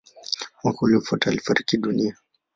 Mwaka uliofuata alifariki dunia.